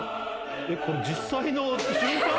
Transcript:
えっ実際の瞬間？